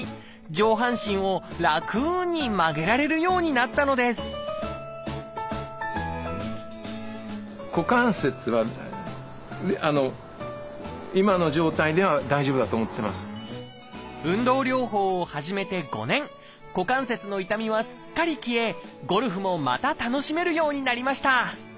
上半身を楽に曲げられるようになったのです股関節の痛みはすっかり消えゴルフもまた楽しめるようになりました。